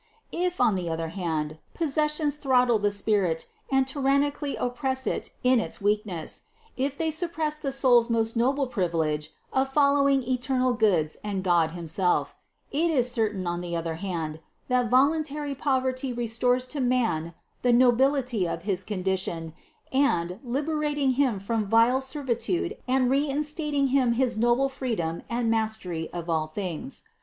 453. If, on the one hand, possessions throttle the spirit and tyrannically oppress it in its weakness, if they suppress the sours most noble privilege of following eternal goods and God himself : it is certain on the other hand, that vol THE CONCEPTION 355 untary poverty restores to man the nobility of his condi tion and, liberating him from vile servitude and reinstat ing him his noble freedom and mastery of all things.